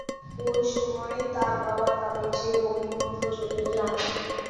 ঐ সময়ে তার বাবা তাদের ছেড়ে অন্যত্র চলে যান।